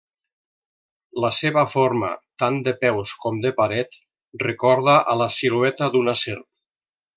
La seva forma, tant de peus com de paret, recorda a la silueta d'una serp.